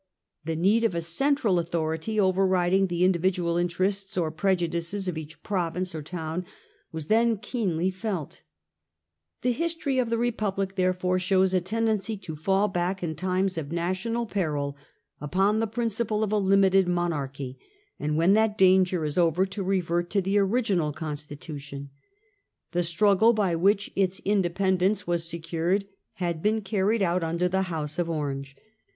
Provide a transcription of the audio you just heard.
The need of a central authority overriding the individual interests or prejudices of each province or town was then keenly felt. The no The Dutch Republic. 1660. history of the Republic therefore shows a tendency to fall back in times of national peril upon the principle of a limited monarchy, and, when that danger is over, to revert to the original constitution. The struggle by which its independence was secured had been carried but under the House of Orange.